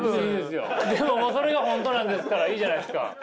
でももうそれが本当なんですからいいじゃないですか。